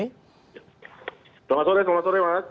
selamat sore selamat sore mas